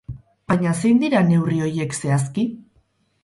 Baina zein dira neurri horiek zehazki?